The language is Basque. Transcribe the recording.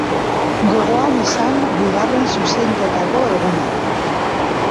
Gogoan izan Bigarren Zuzenketako egunak.